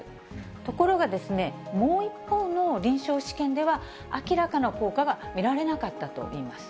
ところが、もう一方の臨床試験では、明らかな効果が見られなかったといいます。